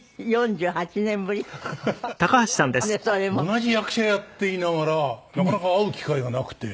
同じ役者やっていながらなかなか会う機会がなくて。